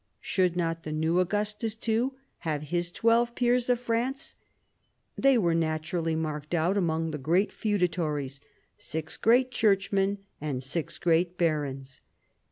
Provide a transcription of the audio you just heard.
Should not the new Augustus too have his twelve peers of France ? They were naturally marked out among the great feudatories, six great churchmen and six great barons.